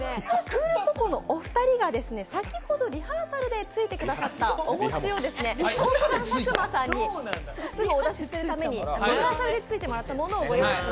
クールポコのお二人が先ほどリハーサルでついてくださったお餅を大木さん、佐久間さんにすぐお出しするためにリハーサルでついたものを。